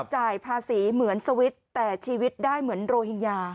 จ่ายภาษีเหมือนสวิตช์แต่ชีวิตได้เหมือนโรฮิงญา